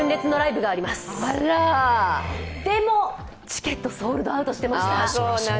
チケット、ソールドアウトしてました。